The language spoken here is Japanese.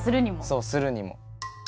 そうするにも。